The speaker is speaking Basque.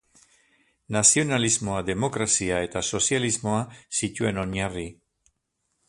Nazionalismoa, demokrazia eta sozialismoa zituen oinarri.